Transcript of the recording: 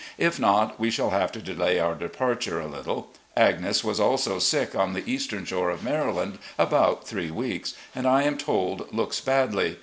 If not, we shall have to delay our departure a little. Agnes was also sick on the Eastern Shore of Maryland about three weeks, and, I am told, looks badly.